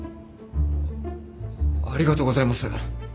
ありがとうございます。